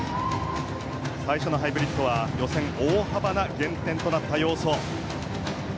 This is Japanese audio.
最初のハイブリッドは予選で大幅な減点となった要素。